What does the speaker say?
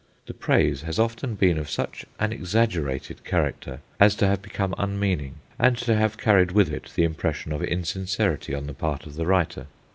The praise has often been of such an exaggerated character as to have become unmeaning, and to have carried with it the impression of insincerity on the part of the writer.